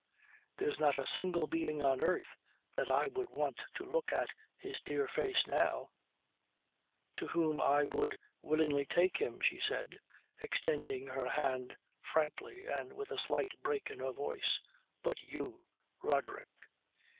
"There's not a single being on earth that I would want to look at his dear face now, to whom I would willingly take him," she said extending her hand frankly and with a slight break in her voice, "but you Roderick."